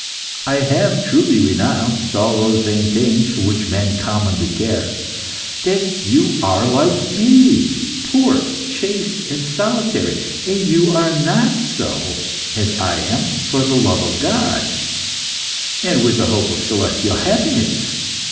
"I have truly renounced all those vain things for which men commonly care." "Then you are like me, poor, chaste, and solitary. And you are not so as I am for the love of God, and with a hope of celestial happiness!